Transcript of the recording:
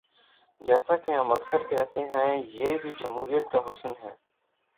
جیسا کہ ہم اکثر کہتے ہیں، یہ بھی جمہوریت کا حسن ہے۔